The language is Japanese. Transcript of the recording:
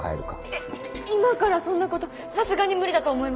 えっ今からそんなことさすがに無理だと思います。